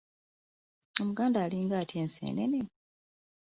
Omuganda alinga atya enseenene?